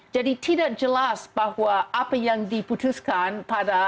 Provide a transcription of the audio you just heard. jadi tidak jelas bahwa apa yang diputuskan pada tujuh belas ogos